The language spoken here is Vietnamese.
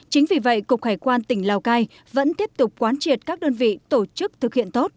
chính vì vậy cục hải quan tỉnh lào cai vẫn tiếp tục quán triệt các đơn vị tổ chức thực hiện tốt